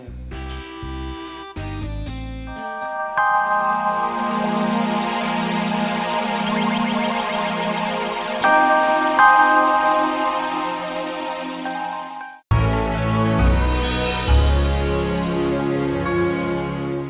neng nadia aku mau